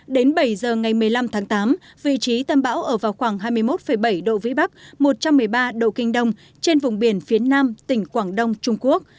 đến bảy giờ ngày một mươi năm tháng tám vị trí tâm bão ở vào khoảng hai mươi một bảy độ vĩ bắc một trăm một mươi ba độ kinh đông trên vùng biển phía nam tỉnh quảng đông trung quốc